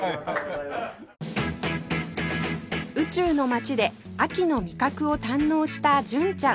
宇宙の街で秋の味覚を堪能した純ちゃん